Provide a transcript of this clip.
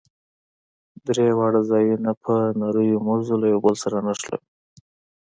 درې واړه ځايونه په نريو مزو له يو بل سره نښلوو.